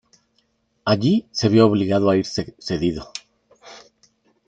Allí se vio obligado a irse cedido.